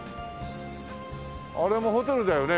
あれもホテルだよね？